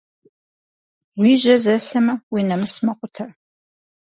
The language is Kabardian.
Уи жьэ зэсэмэ, уи нэмыс мэкъутэ.